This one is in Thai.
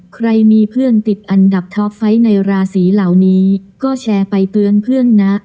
ใครมีเพื่อนติดอันดับท็อปไฟต์ในราศีเหล่านี้ก็แชร์ไปเตือนเพื่อนนะ